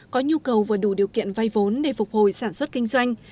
có nhu cầu và đủ điều kiện vay vốn để phục hồi sản xuất kinh doanh